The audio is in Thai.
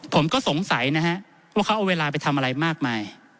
ผมก็สงสัยนะฮะว่าเขาเอาเวลาไปทำอะไรมากมาย